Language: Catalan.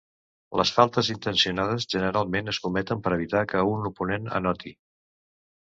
Les faltes intencionades generalment es cometen per evitar que un oponent anoti.